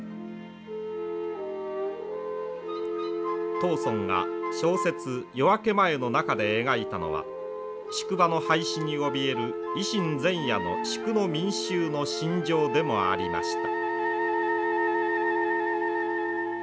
藤村が小説「夜明け前」の中で描いたのは宿場の廃止におびえる維新前夜の宿の民衆の心情でもありました。